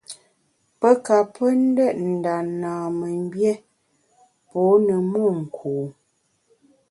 Pe ka pe ndét nda nâmemgbié pô ne monku.